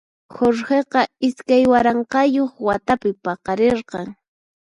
Jorgeqa iskay waranqayuq watapi paqarirqan.